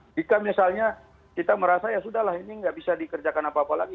jika misalnya kita merasa ya sudah lah ini nggak bisa dikerjakan apa apa lagi